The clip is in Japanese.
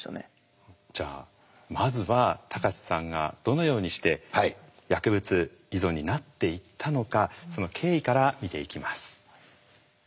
じゃあまずは高知さんがどのようにして薬物依存になっていったのかその経緯から見ていきます。